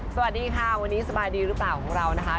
สวัสดีค่ะค่ะวันนี้สบายดีรึเปล่าของเรานะครับ